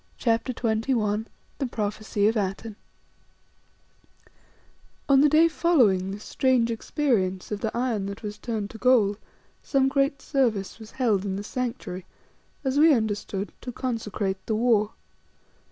CHAPTER XXI THE PROPHECY OF ATENE On the day following this strange experience of the iron that was turned to gold some great service was held in the Sanctuary, as we understood, "to consecrate the war."